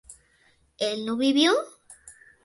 ¿él no vivió?